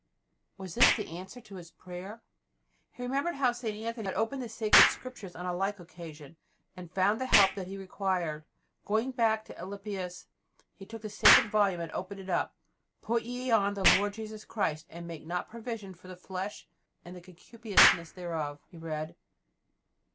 Was this the answer to his prayer? He remembered how St. Anthony had opened the sacred Scriptures on a like occasion, and had found the help that he required. Going back to Alypius, he took up the sacred volume and opened it. "Put ye on the Lord Jesus Christ, and make not provision for the flesh and the concupiscence thereof," he read.